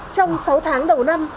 trong sáu tháng đầu năm